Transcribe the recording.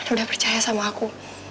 udah percaya sama aku